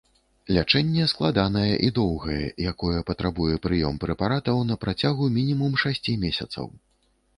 Лячэнне складанае і доўгае, якое патрабуе прыём прэпаратаў на працягу мінімум шасці месяцаў.